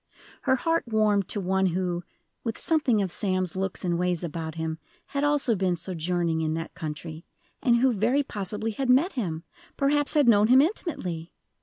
Her heart warmed to one who, with something of Sam's looks and ways about him, had also been sojourning in that country, and who very possibly had met him perhaps had known him intimately!